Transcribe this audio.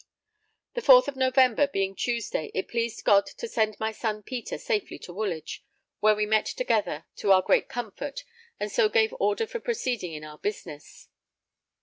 The 4th November, being Tuesday, it pleased God to send my son Peter safely to Woolwich, where we met together to our great comfort; and so gave order for proceeding in our business.